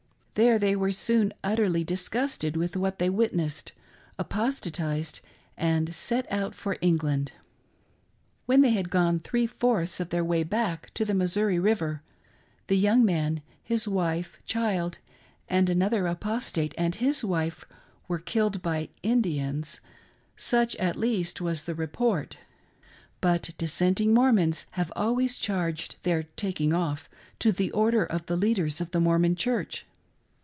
There they were soon utterly disgusted with what they witnessed, apostatized, and set out for England. When they had gone three fourths of their way back to the Missouri "A CERTAIN ELDER. 47 river, the young m^n, his wife, child, and another apostate and his wife, were killed by "Indians:" — such, at least, was the report ; but dissenting Mormons have always charged their " taking off " to the order of the leaders of the Mormon Church.